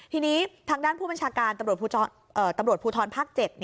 ทีนี้ทางด้านผู้บัญชาการตำรวจภูทรภาค๗